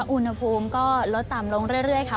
อุณหภูมิก็ลดต่ำลงเรื่อยค่ะ